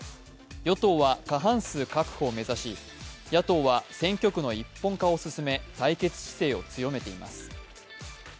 与党は過半数確保を目指し、野党は選挙区の一本化を進め対決姿勢を強めています。